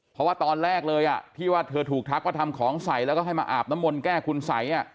เพราะว่าตอนแรกเลยที่ว่าเธอถูกทักว่าทำของใส่แล้วก็ให้มาอาบน้ำมนต์แก้คุณสัย